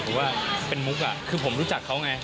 หรือว่าเป็นมุกคือผมรู้จักเขาไง